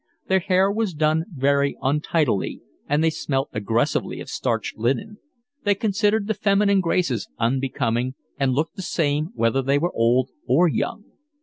Their hair was done very untidily, and they smelt aggressively of starched linen. They considered the feminine graces unbecoming and looked the same whether they were old or young.